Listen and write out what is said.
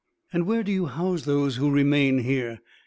"And where do you house those who remain here?"